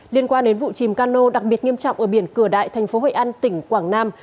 liên quan đến vụ chìm cano đặc biệt nghiêm trọng ở biển cửa đại thành phố hội an tỉnh quảng nam